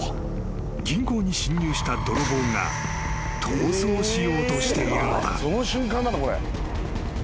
銀行に侵入した泥棒が逃走しようとしているのだ］